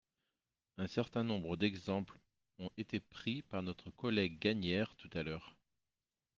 Un certain nombre d’exemples ont été pris par notre collègue Gagnaire tout à l’heure.